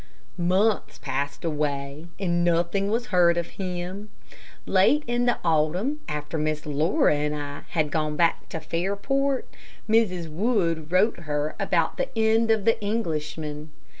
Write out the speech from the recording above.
Months passed away, and nothing was heard of him. Late in the autumn, after Miss Laura and I had gone back to Fairport, Mrs. Wood wrote her about the end of the Englishman.